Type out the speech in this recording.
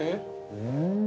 うん？